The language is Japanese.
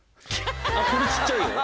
これ小っちゃいよ。